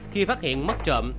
khi phát hiện mất trộm